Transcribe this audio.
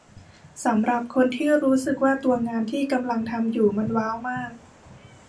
สำหรับคนที่รู้สึกว่าตัวงานที่กำลังทำอยู่มันว้าวมาก